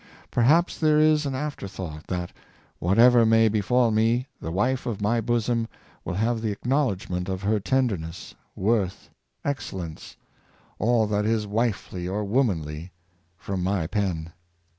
Perhaps there is an after thought that, whatever may befall me, the wife of my bosom will have the acknowledgment of her tender 580 A Galaxy of Noble Wives, ness, worth, excellence — all that is wifely or womanly — from my pen."